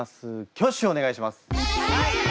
挙手をお願いします。